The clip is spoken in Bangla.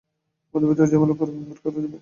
আমাদের ভেতরের ঝামেলা পরে মিটমাট করা যাবে।